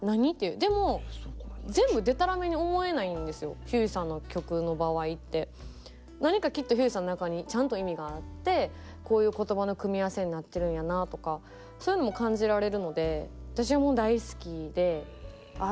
もうひゅーいさんの歌詞って何かきっとひゅーいさんの中にちゃんと意味があってこういう言葉の組み合わせになってるんやなとかそういうのも感じられるので私はもう大好きでああ